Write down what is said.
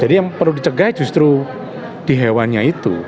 jadi yang perlu dicegah justru di hewannya itu